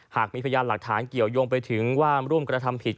หากมีพยานหลักฐานเกี่ยวยงไปถึงว่าร่วมกระทำผิด